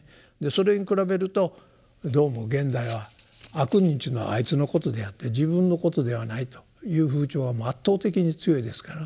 それに比べるとどうも現代は「悪人」というのはあいつのことであって自分のことではないという風潮は圧倒的に強いですから。